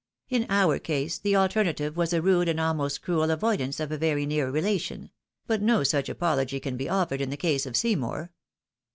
In our case the alternative was a rude and almost cruel avoidance of a very near relation ; but no such apology can be offered in the case of Sey mour.